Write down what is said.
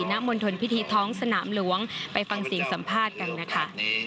ณมณฑลพิธีท้องสนามหลวงไปฟังเสียงสัมภาษณ์กันนะคะ